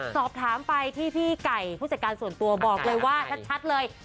สอบถามไปที่พี่ไก่ผู้จัดการส่วนตัวบอกเลยว่าชัดเลย